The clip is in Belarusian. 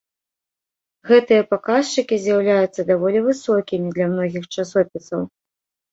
Гэтыя паказчыкі з'яўляюцца даволі высокімі для многіх часопісаў.